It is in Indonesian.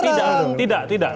tidak tidak tidak